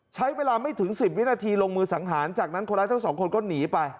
ใช้เวลาไม่ถึง๑๐วินาทีลงมือสังหารจากนั้นคนร้ายทั้งสองคนก็หนีไป